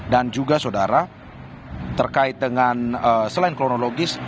dan juga saudara terkait dengan selain kronologis